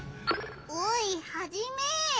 おいハジメ！